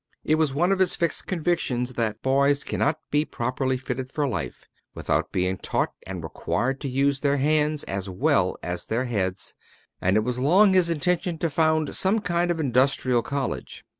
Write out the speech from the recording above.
It was one of his fixed convictions that boys cannot be properly fitted for life without being both taught and required to use their hands, as well as their heads, and it was long his intention to found some kind of industrial college.